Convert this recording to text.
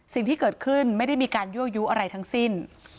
สิ่งที่เกิดขึ้นไม่ได้มีการยั่วยุอะไรทั้งสิ้น